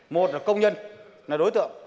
một là công nhân là đối tượng